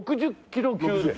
６０キロ級。